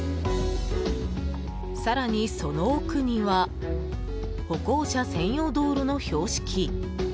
更に、その奥には歩行者専用道路の標識。